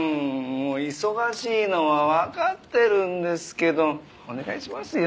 忙しいのはわかってるんですけどお願いしますよ。